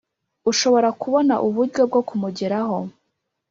Ushobora kubona uburyo bwo kumugeraho